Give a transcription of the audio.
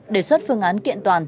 đề xuất phương án kiện toàn